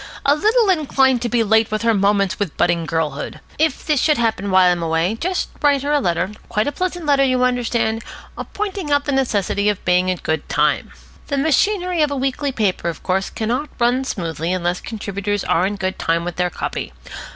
"A little inclined to be late with her 'Moments with Budding Girlhood'. If this should happen while I am away, just write her a letter, quite a pleasant letter, you understand, pointing out the necessity of being in good time. The machinery of a weekly paper, of course, cannot run smoothly unless contributors are in good time with their copy.